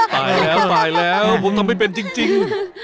ตายแล้วตายแล้วผมทำไม่เป็นจริง